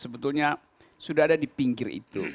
sebetulnya sudah ada di pinggir itu